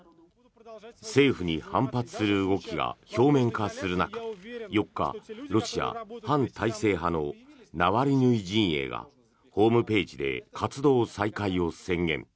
政府に反発する動きが表面化する中４日、ロシア反体制派のナワリヌイ陣営がホームページで活動再開を宣言。